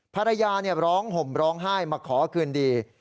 ภรรยาร้องห่มร้องไห้มาขอคืนดี